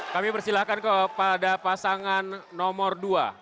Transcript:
kami persilahkan kepada pasangan nomor dua